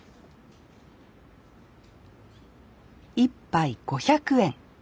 １杯５００円。